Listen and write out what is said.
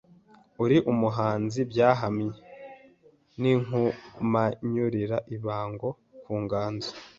Uri umuhanzi byahamyeNinkumanyurira ibango ku nganzo